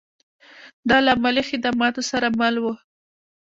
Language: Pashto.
دا له مالي خدماتو سره مل و